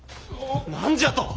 何じゃと！